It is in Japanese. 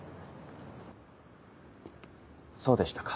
そうでしたか。